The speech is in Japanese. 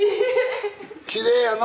きれいやな。